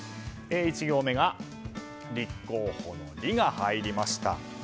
１行目が立候補の「リ」が入りました。